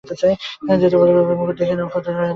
ধ্রুবের মাথায় মুকুট দেখিয়া নক্ষত্ররায়ের ভালো লাগে নাই।